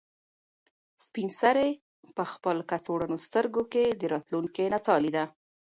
سپین سرې په خپل کڅوړنو سترګو کې د راتلونکي نڅا لیده.